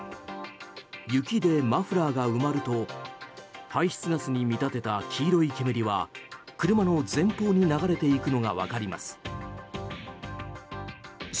雪でマフラーが埋まると排出ガスに見立てた黄色い煙が車の前方に流れていくのが分かります。